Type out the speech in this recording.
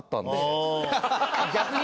逆に？